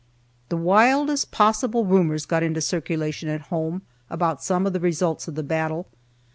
The wildest possible rumors got into circulation at home, about some of the results of the battle.